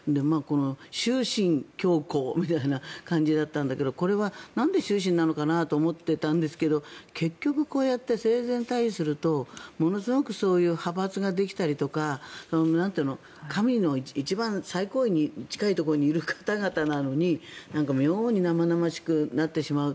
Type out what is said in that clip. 終身教皇みたいな感じだったんだけどこれは、なんで終身なのかなって思ってたんですが結局、こうやって生前退位するとものすごくそういう派閥ができたりとか神の一番、最高位に近いところにいる方々なのに妙に生々しくなってしまう。